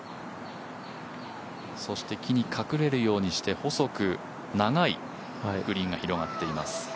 そして木に隠れるようにして細く長いグリーンが広がっています。